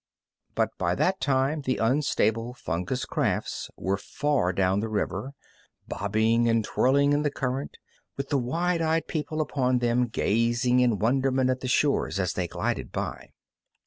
But by that time the unstable fungus rafts were far down the river, bobbing and twirling in the current, with the wide eyed people upon them gazing in wonderment at the shores as they glided by.